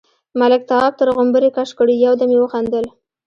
ملک، تواب تر غومبري کش کړ، يو دم يې وخندل: